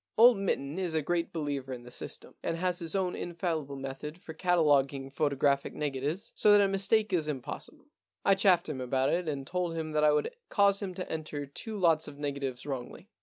Old Mitten is a great believer in system, and has his own infallible method for cataloguing photographic negatives so that a mistake is impossible. I chaffed him about it and told him that I would cause him to enter two lots of negatives wrongly.